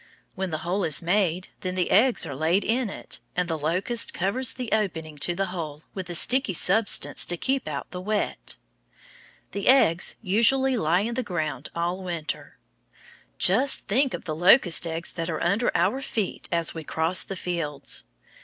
When the hole is made, then the eggs are laid in it, and the locust covers the opening to the hole with a sticky substance to keep out the wet. The eggs usually lie in the ground all winter. Just think of the locust eggs there are under our feet as we cross the fields!